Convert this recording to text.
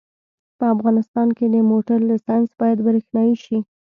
په افغانستان کې د موټر لېسنس باید برېښنایي شي